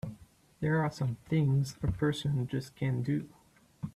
There are some things a person just can't do!